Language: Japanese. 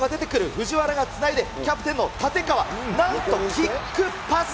藤原がつないで、キャプテンの立川、なんと、キックパス！